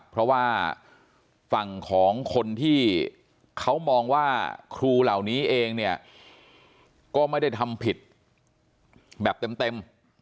เพราะว่าฝั่งของคนที่เขามองว่าครูเหล่านี้เองเนี่ยก็ไม่ได้ทำผิดแบบเต็ม